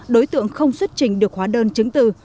đối tượng không xuất trình được hóa đơn chứng từ